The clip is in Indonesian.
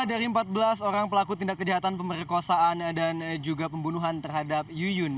tiga dari empat belas orang pelaku tindak kejahatan pemerkosaan dan juga pembunuhan terhadap yuyun